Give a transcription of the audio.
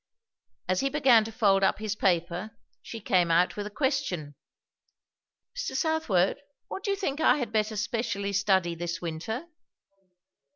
As he began to fold up his paper, she came out with a question. "Mr. Southwode, what do you think I had better specially study this winter?"